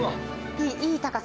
いい高さ。